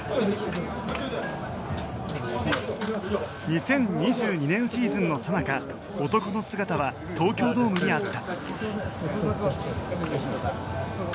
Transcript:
２０２２年シーズンのさなか男の姿は東京ドームにあった。